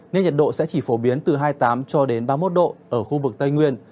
nên nhiệt độ sẽ chỉ phổ biến từ hai mươi tám cho đến ba mươi một độ ở khu vực tây nguyên